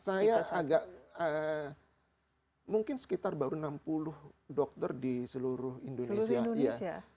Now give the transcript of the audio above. saya agak mungkin sekitar baru enam puluh dokter di seluruh indonesia